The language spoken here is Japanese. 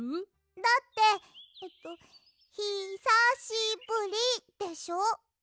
だってえっとひさしぶりでしょ？